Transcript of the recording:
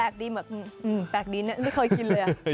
เออแปลกดีเหมือนแบบอืมแปลกดีเนี่ยไม่เคยกินเลยอะ